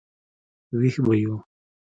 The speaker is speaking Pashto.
وېښ به یو.